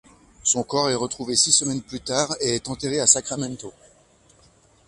Son corps est retrouvé six semaines plus tard et est enterré à Sacramento.